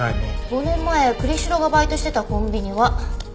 ５年前栗城がバイトしてたコンビニは。